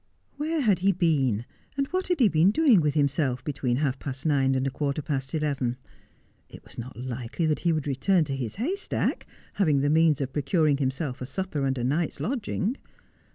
Where had he been, and what had he been doing with him self between half past nine and a quarter past eleven ? It was Tic End of all Tliin js. 2G5 not likely that he would return to his hay stack, having the means of procuring himself a supper and a night's lodging.